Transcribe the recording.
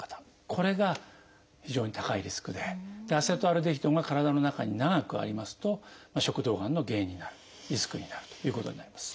アセトアルデヒドが体の中に長くありますと食道がんの原因になるリスクになるということになります。